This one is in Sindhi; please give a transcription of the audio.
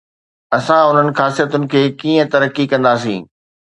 اسان انهن خاصيتن کي ڪيئن ترقي ڪنداسين؟